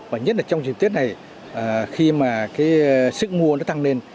và nhất là trong trường tiết này khi mà cái sức mua nó tăng lên